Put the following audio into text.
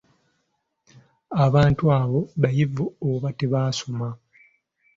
Abantu abo, bayivu oba tebaasoma?